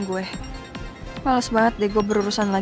baik saya sudah sampai di pandora cafe